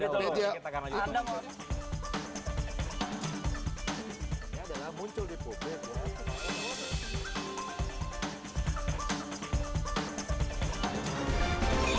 kita akan lanjutkan